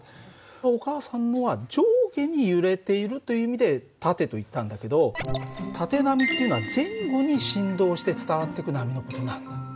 お母さんのは上下に揺れているという意味で縦といったんだけど縦波っていうのは前後に振動して伝わってく波の事なんだ。